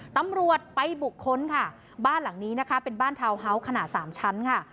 ตำรวจไปบุคคลค่ะบ้านหลังนี้นะคะเป็นบ้านทาวน์เฮาส์ขนาดสามชั้นค่ะ